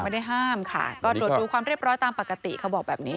ไม่ได้ห้ามค่ะก็ตรวจดูความเรียบร้อยตามปกติเขาบอกแบบนี้